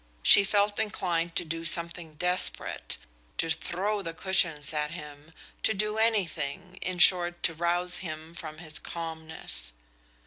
She felt inclined to do something desperate to throw the cushions at him, to do anything, in short, to rouse him from his calmness.